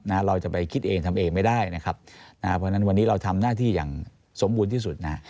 เราจะไปคิดเองทำเองไม่ได้นะครับอ่าเพราะฉะนั้นวันนี้เราทำหน้าที่อย่างสมบูรณ์ที่สุดนะฮะ